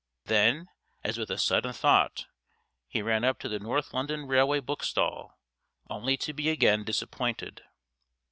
Then, as with a sudden thought, he ran up to the North London Railway book stall, only to be again disappointed.